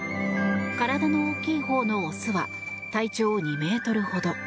体の大きいほうの雄は体長２ｍほど。